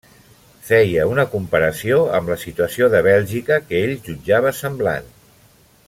Feia una comparació amb la situació de Bèlgica, que ell jutjava semblant.